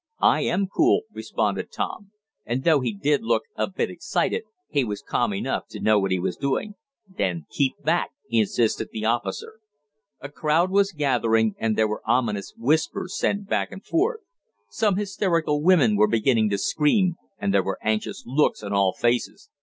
"I am cool," responded Tom, and, though he did look a bit excited, he was calm enough to know what he was doing. "Then keep back!" insisted the officer. A crowd was gathering and there were ominous whispers sent back and forth. Some hysterical women were beginning to scream, and there were anxious looks on all faces.